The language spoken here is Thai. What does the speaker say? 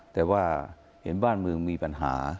แต่ว่าเห็นบ้านเมืองมีปัญหา